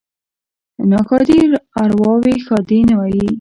ـ ناښادې ارواوې ښادې نه وي.